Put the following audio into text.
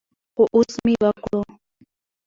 خو اودس مې وکړو ـ